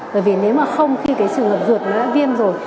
bởi vì nếu mà không khi trường hợp dược nó đã viêm rồi